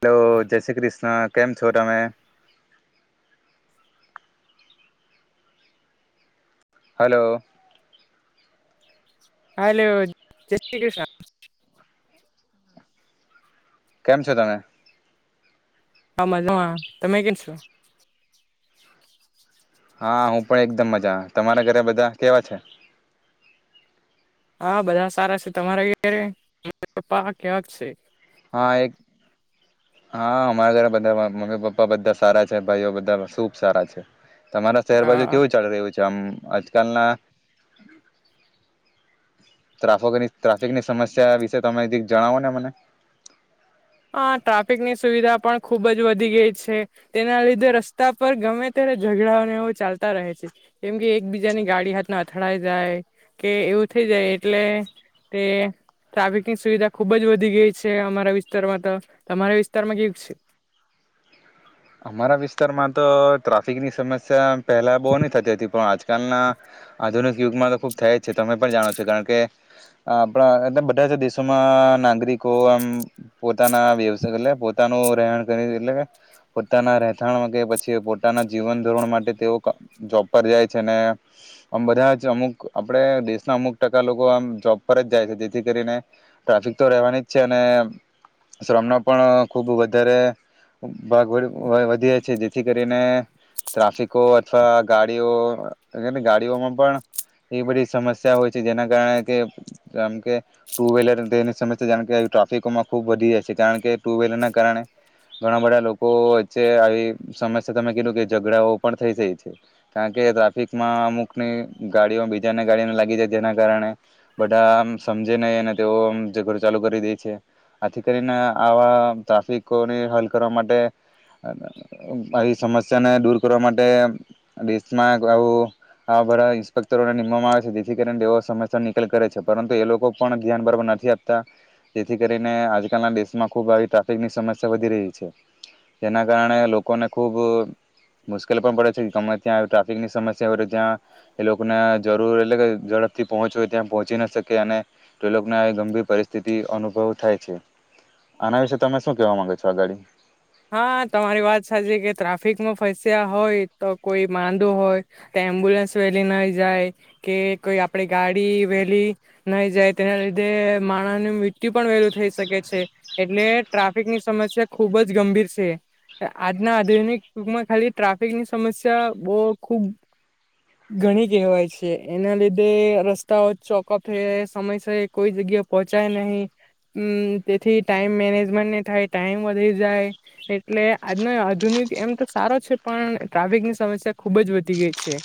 Hello Jai Shri Krishna. કેમ છો તમે? હલો હલો જય શ્રી કૃષ્ણ. કેમ છો તમે? હા મજા માં તમે કેમ છો? હા હું પણ એકદમ મજા મા તમારા ઘરે બધા કેવા છે? હા બધા સારા છે. તમારે ઘરે પપ્પા વન કેવાક છે? હા એક હા અમારા ઘરે બધા મમ્મી, પપ્પા બધા સારા છે ભાઈઓ બધા શુભ સારા છે. તમારા શહેર બાજુ હા કેવું ચાલી રહ્યું છે? જેમ આજકાલના ટ્રાફકની ટ્રાફિકની સમસ્યા વિશે તમે કંઈક જણાવો ને મને. હા ટ્રાફિકની સુવિધા પણ ખુબ જ વધી ગઈ છે. તેના લીધે રસ્તા પર ગમે ત્યારે ઝઘડાઓને એવુ ચાલતા રહે છે કેમ કે એકબીજાની ગાડી હાથમાં અથડાઈ જાય કે એવું થઇ જાય એટલે તે ટ્રાફિકની સુવિધા ખુબ જ વધી ગઈ છે અમારા વિસ વિસ્તારમાં તો તમારા વિસ્તારમાં કેવુક છે? અમારા વિસ્તારમાં તો ટ્રાફિકની સમસ્યા પહેલા બહુ ની થતી હતી પણ આજ આજ કલના આધુનિક યુગમાં તો ખુબ થયા જ છે, તમે પણ જાણો છો કારણ કે આપણા એટલે બધા જ દેશોમાં નાગરિકો આમ પોતાના વ્યવ એટલે પોતાનું રહેણ કરી એટલે, પોતાના રહેથણ કે પછી પોતાના જીવન ધોરણ માટે તેઓ જોબ પર જાય છે ને આમ બધા જ અમુક આપણે દેશના અમુક ટકા લોકો આમ જોબ પર જ જાય છે જેથી કરીને ટ્રાફિક તો રહેવાની જ છે, અને શ્રમના પણ ખુબ વધારે, ભાગ વધી જ છે જેથી કરીને ટ્રાફિકો અથવા ગાડીઓ ગાડીઓમાં પણ એ બધી સમસ્યા હોય છે, જેના કારણે કે જેમ કે ટુ વ્હીલર તેની સમસ્યા જાણ કે ટ્રાફિકોમાં ખૂબ વધી જાય છે કારણ કે ટુ વ્હીલર ના કારણે ઘણા બધા લોકો, લોકો વચ્ચે આવી સમસ્યા તમે કીધું કે ઝઘડાઓ પણ થઈ જાય છે, કારણ કે ટ્રાફિકમાં અમુકની ગાડીઓ બીજાને ગાડીઓને લાગી જાય, જેના કારણે બધા આમ સમજે નહી અને તેઓ ઝઘડો ચાલુ કરી દે છે આથી કરીને આવા ટ્રાફિકોને હલ કરવા માટે, આવી સમસ્યાને દૂર કરવા માટે દેશમાં આવું આવા બધા ઇન્સ્પેક્ટરોને નિમવામાં આવે છે, જેથી કરીને તેઓ સમસ્યા નિકાલ કરે છે, પરંતુ એ લોકો પણ ધ્યાન બરાબર નથી આપતા, જેથી કરીને આજકાલના દેશમાં ખુબ આવી ટ્રાફિકની સમસ્યા વધી રહી છે. જેના કારણે લોકોને ખૂબ મુશ્કેલ પણ પડે છે. ગમે ત્યાં ટ્રાફિકની સમસ્યા હોય તો ત્યાં એ લોકોને જરૂર એટલે કે ઝડપથી પહોંચ હોય ત્યાં પહોંચી ના શકે અને તો એ લોકોને ગંભીર પરિસ્થિતિ અનુભવ થાય છે. આના વિશે તમે શું કહેવા માંગો છો? આ ગાડી. હા, તમારી વાત સાચી કે ટ્રાફિકમાં ફસ્યા હોય તો કોઈ માંદો હોય તો એમ્બ્યુલન્સ વેલી નહી જાય કે કોઈ આપડી ગાડી વેલી નહીં જાય, તેના લીધે માણસ નું મૃત્યુ પણ વેલું થઈ શકે છે, એટલે ટ્રાફિકની સમસ્યા ખુબ જ, ગંભીર છે આજના આધુનિક યુગમાં, ખાલી ટ્રાફિકની સમસ્યા બહુ ખુબ ઘણી કહેવાય છે, એના લીધે રસ્તાઓ ચોકઅપ થઈ સમયસર કોઈ જગ્યા પહોંચાય નહીં, તેથી ટાઈમ મેનેજમેન્ટ નહીં થાય ટાઈમ વધી. એટલે આજનો આધુનિક એમ તો સારો છે, પણ ટ્રાફિકની સમસ્યા ખુબ જ વધી ગઈ છે,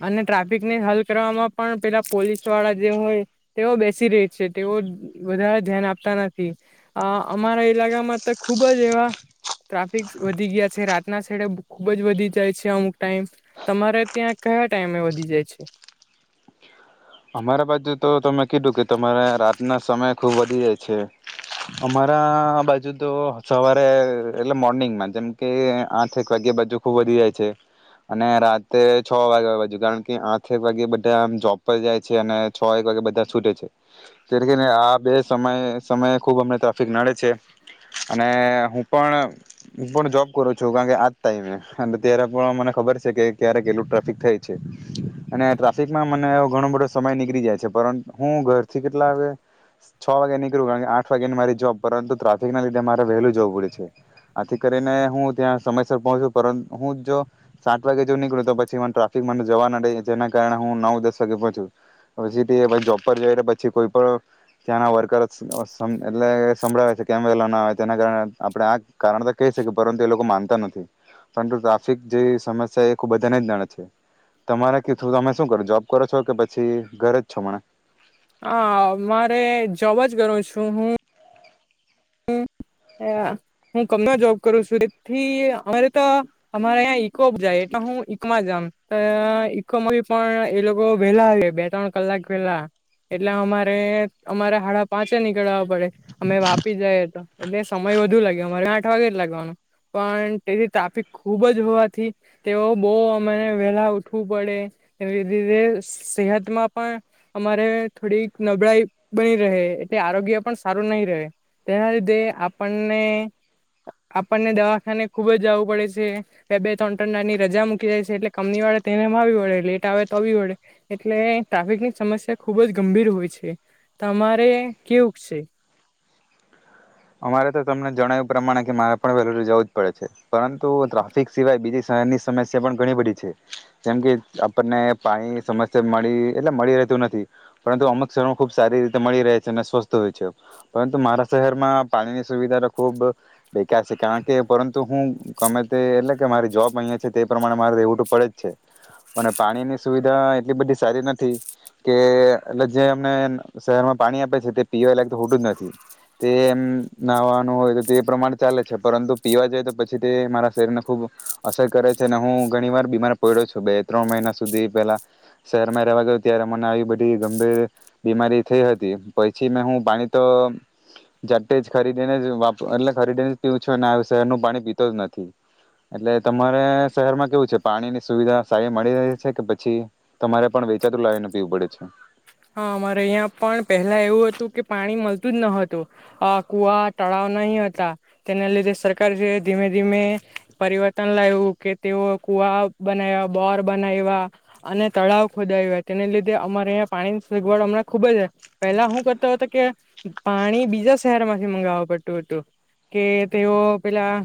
અને ટ્રાફિકને હલ કરવામાં પણ પેલા પોલીસ વાળા જે હોય તેઓ બેસી રહી છે, તેઓ વધારે ધ્યાન આપતા નથી, અ અમારા ઈલાકામાં તો. ખુબ જ એવા ટ્રાફિક વધી ગયા છે, રાતના શેડે ખુબ જ વધી જાય છે, અમુક ટાઈમ તમારે ત્યાં કયા ટાઈમે વધી જાય છે? અમારા બાજુ તો તમે કીધું કે તમારે રાતના સમય ખુબ વધી જાય છે, અમારા બાજુ તો સવારે એટલે મોર્નિંગમાં જેમ કે આઠેક વાગ્યા બાજુ ખુબ વધી જાય છે અને રાતે છ વાગ્યા બાજુ, કારણ કે આઠેક વાગ્યા બધા આમ જોપ. જાય છે અને છ એક વાગે બધા છૂટે છે, જે કરીને આ બે સમયે સમયે ખૂબ અમને ટ્રાફિક નડે છે, અને હું પણ હું પણ જોબ કરું છું, કારણ કે આજ ટાઈમે અને ત્યારે પણ મને ખબર છે કે ક્યારેક કેટલું ટ્રાફિક થાય છે અને ટ્રાફિકમાં મને. ઘણો બધો સમય નીકળી જાય છે, પર હું ઘરથી કેટલા વાગે છ વાગે નીકળું, કારણ કે આઠ વાગ્યા ની મારી જોબ, પરંતુ ટ્રાફિક ના લીધે મારે વહેલું જવું પડે છે, આથી કરીને હું ત્યાં સમયસર પહોંચું, હું જો સાત વાગે. મોડું નીકળ્યું તો પછી મને ટ્રાફિકમાં મને. જવાના દે, જેના કારણે હું નવ દસ. વાગે પોચું, હવે જે ભી જોબ પર જઈ પછી કોઈ પણ ત્યાંના વર્કર એટલે સંભળાવે છે, કેમ વલા ના આવે? તેના કારણે આપણે આ કારણ તો કહી શકીએ પરંતુ એ લોકો માનતા નથી, પરંતુ ટ્રાફિક જે સમસ્યા એ ખુબ બધાને જ ગણે છે. તમારા શુ તમે શું કરો, જોબ. કરો છો કે પછી ઘરે જ છો હમણે? હા, મારે જોબ જ કરું છું હું. હું [inaudible] જોબ કરું છું, તેથી અમારે તો અમારેં ઈકો જાય એટલે હું ઈકોમામાં જામ, ઈકોમાં ભી પણ એ લોકો વેલા આવે બે-ત્રણ કલાક પેલા, એટલે અમારે અમારે હાડા પાંચે નીકળ્યા. પડે અમે વાપી જઈએ તો. સમય વધુ લાગે, અમારે આઠ વાગે જ લાગવાનો પણ, તેથી ટ્રાફિક ખુબ જ હોવાથી, તેઓ બહુ અરે વેલા ઉઠવું પડે, સેહતમાં પણ અમારે થોડીક નબળાઈ બની રહે એટલે આરોગ્ય પણ સારું નહીં રહે તેના લીધે. આપણને, આપણને દવાખાને ખુબ જ જવું પડે છે, બે-બે ત્રણ દાડાની રજા મૂકી જાય છે, એટલે કંપની વાળા તેને આવી વડે, લેટ આવે તો આવી વડે, એટલે ટ્રાફિક ની સમસ્યા ખુબ જ ગંભીર હોય છે. તમારે કેવું છે? અમારે તો તમને જણાવ્યું પ્રમાણે કે મારે પણ વહેલુ જવું જ પડે છે, પરંતુ ટ્રાફિક સિવાય બીજી શહેરની સમસ્યા પણ ઘણી બધી છે, જેમ કે આપણને પાણી સમસ્યા મળી એટલે મળી રહેતું નથી, પરંતુ અમુક શહેરો ખુબ સારી રીતે મળી રહે છે અને સ્વસ્થ હોય છે, પરંતુ મારા શહેરમાં. પાણીની સુવિધા તો ખૂબ બેકાર છે, કારણ કે પરંતુ હું ગમે તે એટલે કે મારી જોબ અહીંયા છે તે પ્રમાણે મારે રહેવું તો પડે જ છે, અને પાણીની સુવિધા એટલી બધી સારી નથી કે એટલે જે અમને શહેરમાં પાણી આપે છે તે પીવાલાયક હોતું નથી તે એમ. નાવાનું હોય તો તે પ્રમાણ ચાલે છે, પરંતુ પીવા જઈ તો પછી તે મારા શરીરને ખુબ અસર કરે છે, અને હું ઘણી વાર બીમાર પડ્યો છું, બે ત્રણ મહિના સુધી પેલા શહેરમાં રહેવા ગઉં ત્યારે મને આવી બધી ગંભીર બીમારી થઈ હતી, પછી મેં હું પાણી તો. [inaudible] જ ખરીદીને જ એટલે ખરીદીને જ પીવું છું, અને શહેરનું પાણી પીતો જ નથી, એટલે તમારે શહેરમાં કેવું છે પાણીની સુવિધા સારી મળી રહી છે કે પછી તમારે પણ વેચાતું લાવીને પીવું પડે છે? હા, અમારે અહીંયા પણ પહેલા એવું હતું કે પાણી મળતું જ ન હતું, કુવા તળાવ નહીં હતા, તેના લીધે સરકાર જે ધીમે ધીમે પરિવર્તન લાવ્યું કે તેઓ કુવા બનાવ્યા, બોર બનાવ્યા અને તળાવ ખોદાવ્યા, તેને લીધે અમારે અં. પાણીની સગવડ હમણાં ખૂબ જ પહેલા શું કરતો હતો કે પાણી બીજા શહેરમાંથી મંગાવવા પડતું હતું કે, તેઓ પેલા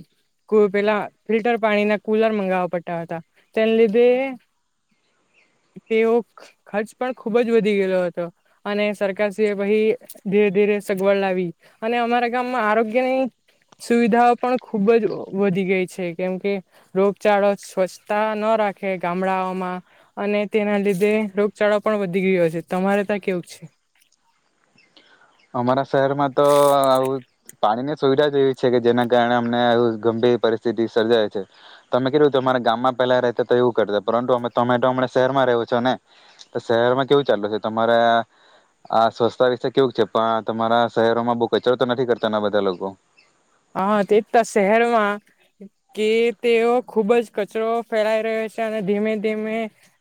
પેલા ફિલ્ટર પાણી ના કુલર મંગાવવા પડતા હતા, તેને લીધે તેઓ ખર્ચ પણ. ખૂબ જ વધી ગયેલો હતો, અને સરકારશ્રીએ પાઈ ધીરે ધીરે સગવડ લાવી, અને અમારા ગામમાં આરોગ્યની સુવિધાઓ પણ ખૂબ જ વધી ગઈ છે, કેમ કે રોગચાળો સ્વચ્છતા ન રાખે ગામડાઓમાં, અને તેના લીધે રોગચાળો. પણ વધી ગયો છે. તમારે ત્યાં કેવું છે? અમારા શહેરમાં તો આવુ. પાણીની સુવિધા જ એવી છે કે જેના કારણે અમને એ ગંભીર પરિસ્થિતિ સર્જાય છે. તમે કેધું તમારા ગામમાં પેલા રહેતા તો એવું કરતા, પરંતુ અમે તમે તો અમના શહેરમાં રહો છો ને, તો શહેરમાં કેવું ચાલુ છે? તમારા આ સ્વચ્છતા વિશે કેવું છે? પણ તમારા શહેરોમાં બહુ કચરો તો નથી કરતા બધા લોકો? હા, તે જતા શહેરમાં કે તેઓ ખુબ જ કચરો ફેલાઈ રહ્યો છે, અને ધીમે ધીમે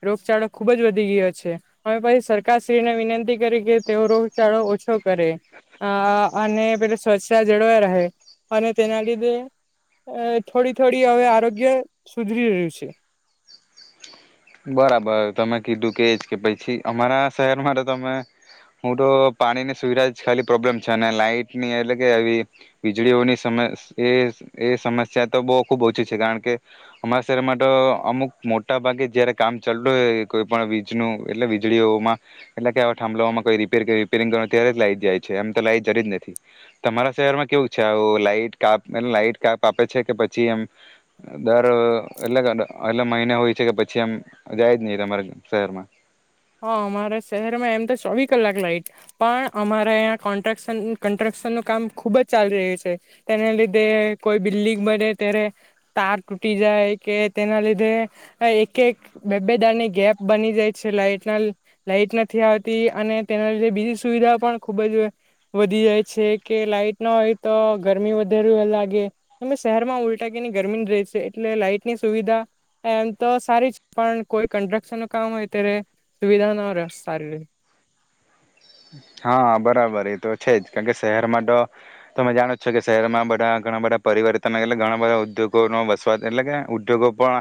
રોગચાળો ખુબ જ વધી ગયો છે. હવે પછી સરકારશ્રીને વિનંતી કરી કે તેઓ રોગચાળો ઓછો કરે, અને પેલુ સ્વચ્છતા જળવાઈ રહે. અને તેના લીધે થોડી થોડી હવે આરોગ્ય સુધરી રહ્યું છે. બરાબર, તમે કીધું કે જ કે પછી અમારા શહેરમાં તો તમે, હું તો પાણીની સુવિધા જ ખાલી પ્રોબ્લેમ છે અને લાઈટની એટલે કે આવી વીજળીઓની સમસ્ એ સમસ્યા તો બહુ ખુબ ઓછી છે, કારણ કે અમારા શહેરમાં તો અમુક મોટા ભાગે જ્યારે. કામ ચાલતું હોય કોઈ પણ વીજનું એટલે વીજળીઓમાં એટલે કે આવા થાંભલામાં કોઈ રિપેર રીપેરિંગ કરવાનું ત્યારે જ લાઈટ જાય છે, એમ તો લાઈટ જતી જ નથી. તમારા શહેરમાં કેવું છે? આવું લાઈટ કાપ એ લાઈટ કાપ આપે છે કે પછી એમ દર એટલે એટલે મહિને હોય છે કે પછી એમ? જાય જ નહીં, તમારા શહેરમાં? હા, અમારા શહેરમાં એમ તો ચોવી કલાક લાઈટ પણ, અમારે અં કો્રક્શન કસ્ટ્રક્શનનું કામ ખુબ જ ચાલી રહ્યું છે, તેના લીધે કોઈ બિલ્ડિંગ બને ત્યારે તાર તૂટી જાય કે તેના લીધે એક એક, એક બે બે દાડા ની ગેપ બની જાય છે, લાઈટ. લાઈટ નથી આવતી, અને તેના લીધે બીજી સુવિધા પણ ખુબ જ વધી જાય છે કે. લાાઈટ ના હોય તો ગરમી વધારે લાગે, શહેરમાં ઉલટા કેની ગરમી રહે છે? એટલે લાઈટ ની સુવિધા એમ તો સારી, પણ કોઈ કન્સ્ટ્રક્શન નું કામ હોય ત્યારે. સુવિધા ના સારી રહે. હા, બરાબર એ તો છે જ, કારણ કે શહેરમાં તો તમે જાણો છો કે શહેરમાં બધા ઘણા બધા પરિવર્તન, એટલે ઘણા બધા ઉદ્યોગો ન વસવાટ. એટલે કે ઉદ્યોગો પણ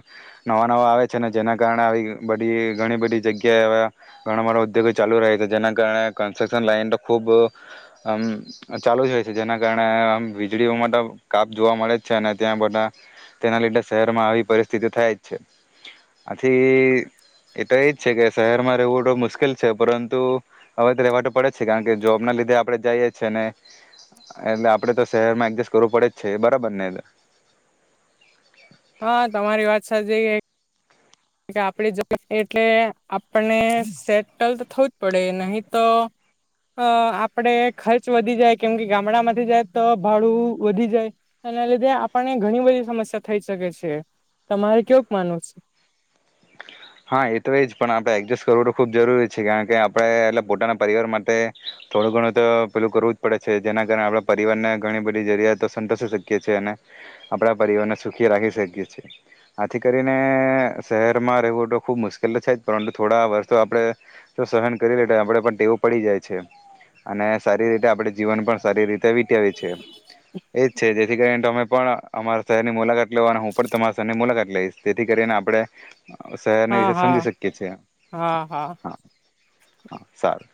નવા નવા આવે છે, ને જેના કારણે આવી બધી ઘણી બધી જગ્યાએ હવે ઘણા બધા ઉદ્યોગો ચાલુ રહે છે, જેના કારણે હવૅ, કન્સ્ટ્રક્શન લાઈન તો ખૂબ આમ ચાલુ જ હોય છે, જેના કારણે આમ વીજળીઓ માટે કાપ જોવા મળે જ છે, અને ત્યાં બધા તેના લીધે શહેરમાં આવી પરિસ્થિતિ થાય જ છે. આથી એ તો એ જ છે, કે શહેરમાં રહેવું તો મુશ્કેલ છે, પરંતુ હવે તો રહેવા તો પડે જ છે, કારણ કે જોબ ના લીધે આપડે જઈએ છે ને, એટલે આપણે તો શહેરમાં એડજસ્ટ કરવું પડે જ છે, બરાબર ને? હા, તમારી વાત સાચી. આપણી જોબ એટલે આપને સેટલ તો થવું જ પડે, નહીં તો આપડે ખર્ચ વધી જાય. કેમ કે ગામડામાંથી જાય તો ભાડું વધી જાય, એના લીધે આપને ઘણી બધી સમસ્યા થઈ શકે છે. તમારે કેવું માનવું છે? હા, એ તો એ જ. પણ આપણે એડજસ્ટ કરવું તો ખૂબ જરૂરી છે, કારણ કે આપણે એટલે પોતાના પરિવાર માટે થોડું ઘણું તો પેલું કરવું જ પડે છે, જેના કારણે આપણા પરિવારને ઘણી બધી જરૂિયાતો સંતષી શકીએ છીએ અને આપડા પરિવારને સુખી રાખી શકીએ છીએ આથી કરીને શહેરમાં રહેવું. ખૂબ મુશ્કેલ તો છે જ પરંતુ થોડા વર્ષો આપણે સહન કરી લે આપણને ટેવો પડી જાય છે અને સારી રીતે આપણે જીવન પણ સારી રીતે. આવી છે એજ છે જે. જેથી કરીને તમે પણ અમારા શહેરની મુલાકાત લેવાનું અને હું પણ તમારા શહેરની મુલાકાત લઈશ જેથી કરીને આપણે. શહેરને હા વિશે હા સમજી શકીએ છેીએ હા હા સારું